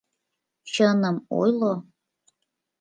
Чыным ойло.